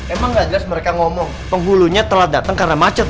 emang gak jelas mereka ngomong penghulunya telah datang karena macet